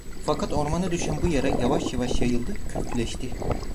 Fakat ormana düşen bu yara, yavaş yavaş yayıldı, kökleşti.